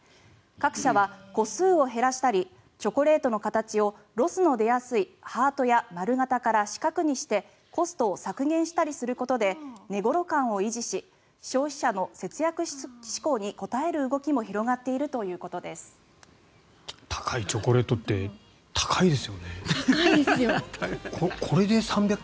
各社は個数を減らしたりチョコレートの形をロスの出やすいハートや丸型から四角にしてコストを削減したりすることで値頃感を維持し消費者の節約志向に応える動きも広がっているということです。